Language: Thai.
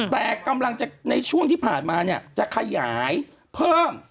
แต่กำลังจะในช่วงที่ผ่านมาเนี่ยจะขยายเพิ่ม